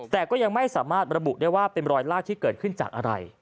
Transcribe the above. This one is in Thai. แต่ก็ยังไม่สามารถระบุได้ว่าเป็นรอยลากที่เกิดขึ้นจากอะไร